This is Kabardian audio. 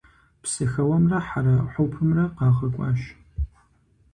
Псыхэуэмрэ хьэрэхьупымрэ къагъэкӀуащ.